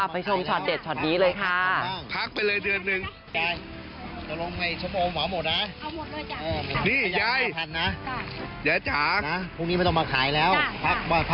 ชมช็อตเด็ดช็อตนี้เลยค่ะ